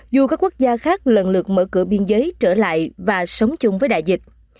dù các quốc gia khác lần lượt mở cửa biên giới trở lại và sống chung với đại dịch